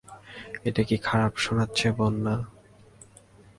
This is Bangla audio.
এটা কি খারাপ শোনাচ্ছে বন্যা।